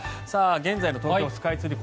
現在の東京スカイツリー。